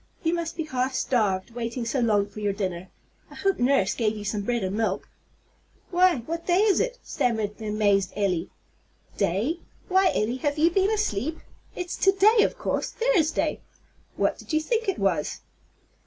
You must be half starved, waiting so long for your dinner. I hope nurse gave you some bread and milk." "Why, what day is it?" stammered the amazed Elly. "Day? Why, Elly, have you been asleep? It's to day, of course, Thursday. What did you think it was?"